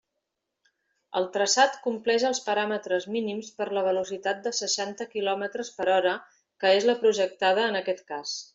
El traçat compleix els paràmetres mínims per a la velocitat de seixanta quilòmetres per hora que és la projectada en aquest cas.